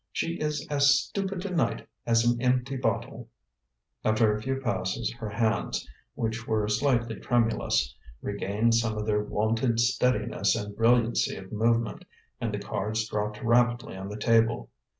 She is as stupid tonight as an empty bottle." After a few passes her hands, which were slightly tremulous, regained some of their wonted steadiness and brilliancy of movement, and the cards dropped rapidly on the table.